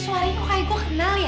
itu suaranya kayak gue kenal ya